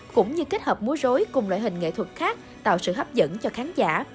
cũng như kết hợp múa rối cùng loại hình nghệ thuật khác tạo sự hấp dẫn cho khán giả